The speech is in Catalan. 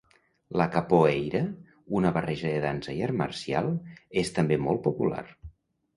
La capoeira, una barreja de dansa i art marcial és també molt popular.